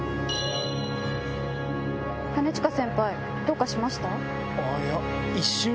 兼近先輩どうかしました？